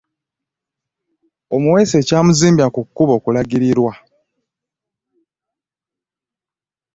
Omuweesi ekyamuzimbya ku kkubo kulagirirwa.